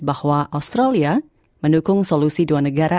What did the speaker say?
bahwa australia mendukung solusi dua negara